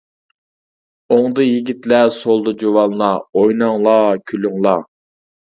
ئوڭدا يىگىتلەر، سولدا جۇۋانلار، ئويناڭلار، كۈلۈڭلار.